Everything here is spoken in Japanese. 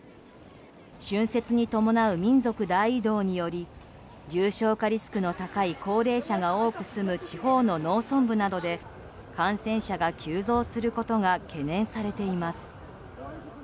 春節に伴う民族大移動により重症化リスクの高い高齢者が多く住む地方の農村部などで感染者が急増することが懸念されています。